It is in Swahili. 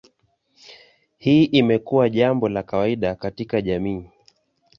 Hii imekuwa jambo la kawaida katika jamii.